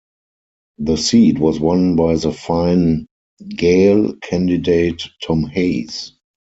The seat was won by the Fine Gael candidate Tom Hayes.